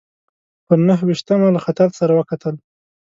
پر نهه ویشتمه له خطاط سره وکتل.